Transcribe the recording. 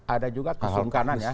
ada juga kisum kanan ya